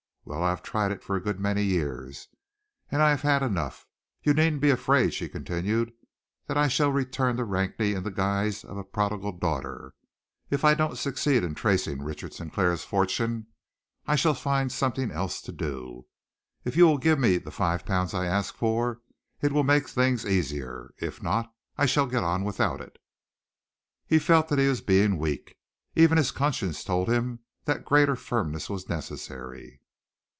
Well, I have tried it for a good many years, and I have had enough. You needn't be afraid," she continued, "that I shall return to Rakney in the guise of a prodigal daughter. If I don't succeed in tracing Richard Sinclair's fortune, I shall find something else to do. If you will give me the five pounds I ask for, it will make things easier. If not, I shall get on without it." He felt that he was being weak. Even his conscience told him that greater firmness was necessary.